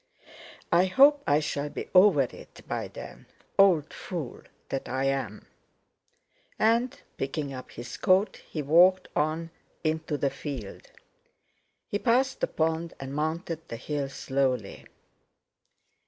"I hope I shall be over it by then, old fool that I am!" and picking up his coat, he walked on into the field. He passed the pond and mounted the hill slowly.